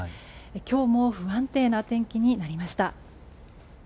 今日も不安定な天気になりました。